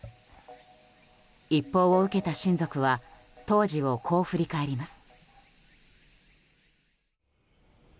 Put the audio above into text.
一報を受けた親族は当時をこう振り返ります。